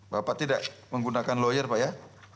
bapak tidak menggunakan lawyer pak ya